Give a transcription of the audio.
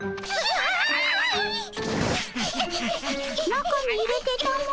中に入れてたも。